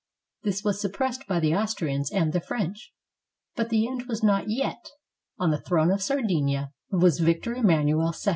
This was suppressed by the Austrians and the French. But the end was not yet. On the throne of Sardinia was Victor Emman uel II.